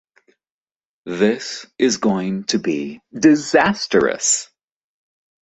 This is going to be disastrous.